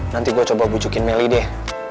nanti gue coba bujukin melly deh